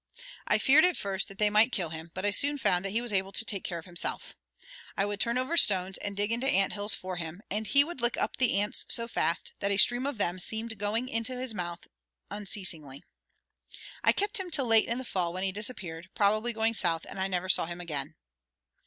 I feared at first that they might kill him, but I soon found that he was able to take care of himself. I would turn over stones and dig into ant hills for him, and he would lick up the ants so fast that a stream of them seemed going into his mouth unceasingly. I kept him till late in the fall, when he disappeared, probably going south, and I never saw him again."